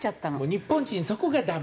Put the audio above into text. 日本人そこがダメ。